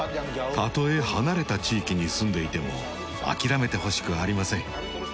たとえ離れた地域に住んでいても諦めてほしくありません。